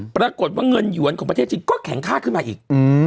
ปรากฏว่าเงินหยวนของประเทศจีนก็แข็งค่าขึ้นมาอีก